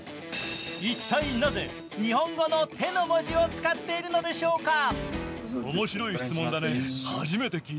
一体なぜ日本語の「て」の文字を使っているのでしょうか。